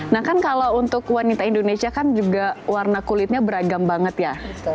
nah kan kalau untuk wanita indonesia kan juga warna kulitnya beragam banget ya